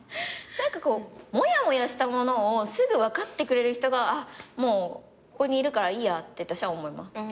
何かこうもやもやしたものをすぐ分かってくれる人がもうここにいるからいいやって私は思います。